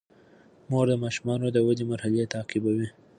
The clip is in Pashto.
مور د ماشومانو د ودې مرحلې تعقیبوي.